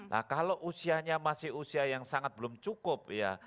nah kalau usianya masih usia yang sangat belum cukup ya